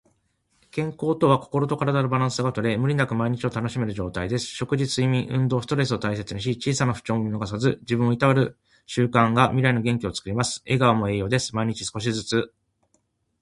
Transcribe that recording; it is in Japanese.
健康とは、心と体のバランスがとれ、無理なく毎日を楽しめる状態です。食事、睡眠、運動、ストレス管理を大切にし、小さな不調も見逃さず、自分をいたわる習慣が未来の元気をつくります。笑顔も栄養です。毎日少しずつ。